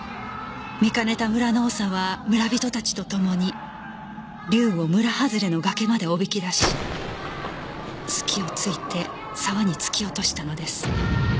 見かねた村の長は村人たちとともに竜を村はずれの崖までおびき出し隙をついて沢に突き落としたのです